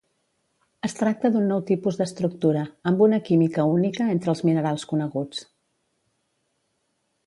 Es tracta d'un nou tipus d'estructura, amb una química única entre els minerals coneguts.